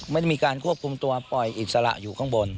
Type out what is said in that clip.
ไม่ได้มีการควบคุมตัวปล่อยอิสระอยู่ข้างบน